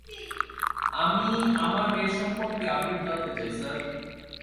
আমি আমার মেয়ে সম্পর্কে আপডেট জানতে চাই-- স্যার!